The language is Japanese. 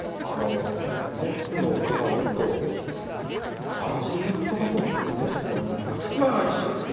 あのごはんのおかわりとあら汁とかももう１つもらえないですか？